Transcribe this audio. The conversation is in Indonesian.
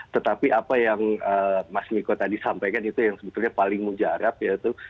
tetapi apa yang mas miko tadi sampaikan itu yang sebetulnya paling mujarab yaitu